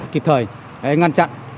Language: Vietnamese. kịp thời ngăn chặn